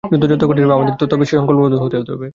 যুদ্ধ যত কঠিন হবে, আমাদের তত বেশি সংকল্পবদ্ধ হতে হবে।